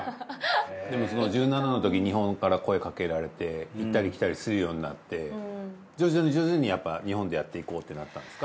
でもその１７のときに日本から声かけられて行ったり来たりするようになって徐々に徐々にやっぱ日本でやっていこうってなったんですか？